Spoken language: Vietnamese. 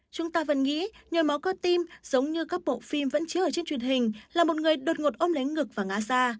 chúng ta vẫn nghĩ nhồi máu cơ tim giống như các bộ phim vẫn chứa ở trên truyền hình là một người đột ngột ông lấy ngực và ngã ra